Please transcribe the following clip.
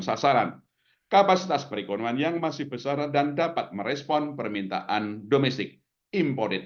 sasaran kapasitas perekonomian yang masih besar dan dapat merespon permintaan domestic imported